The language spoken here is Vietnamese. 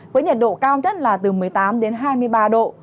với nhiệt độ cao nhất là từ một mươi tám đến hai mươi ba độ